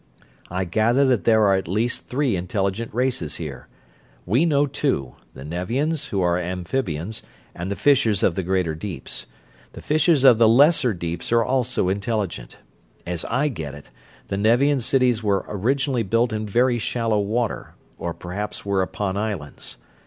"I gather that there are at least three intelligent races here. We know two the Nevians, who are amphibians, and the fishes of the greater deeps. The fishes of the lesser deeps are also intelligent. As I get it, the Nevian cities were originally built in very shallow water, or perhaps were upon islands.